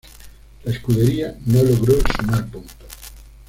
La escudería no logró sumar puntos.